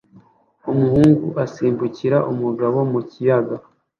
Umuhungu asimbukira umugabo mu kiyaga